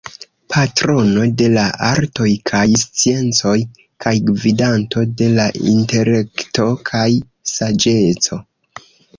Patrono de la artoj kaj sciencoj kaj gvidanto de la intelekto kaj saĝeco.